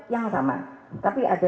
yang sama tapi ada